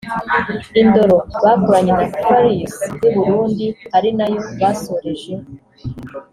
‘Indoro’ bakoranye na Furious w’i Burundi ari nayo basorejeho